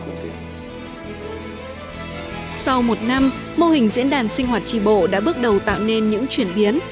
sau một năm mô hình diễn đàn sinh hoạt tri bộ đã bước đầu tạo nên những chuyển biến